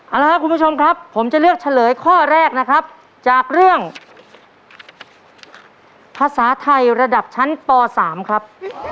เอาละครับคุณผู้ชมครับผมจะเลือกเฉลยข้อแรกนะครับจากเรื่องภาษาไทยระดับชั้นป๓ครับ